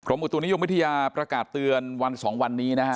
กรมอุตุนิยมวิทยาประกาศเตือนวันสองวันนี้นะครับ